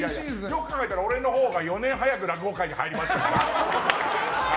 よく考えたら俺のほうが４年早く落語界に入りましたから。